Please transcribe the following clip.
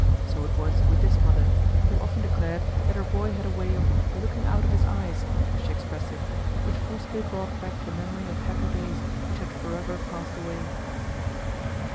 So it was with this mother, who often declared that her boy had a way of "looking out of his eyes," as she expressed it, which forcibly brought back the memory of happy days which had forever passed away.